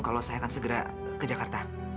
kalau saya akan segera ke jakarta